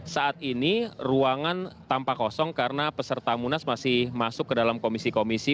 saat ini ruangan tampak kosong karena peserta munas masih masuk ke dalam komisi komisi